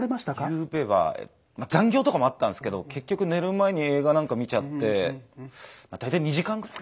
ゆうべは残業とかもあったんすけど結局寝る前に映画なんか見ちゃって大体２時間くらい。